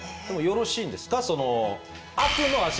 でもよろしいんですか？